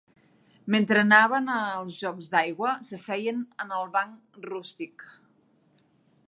Mentre anaven els jocs d'aigua s'asseien en el banc rústic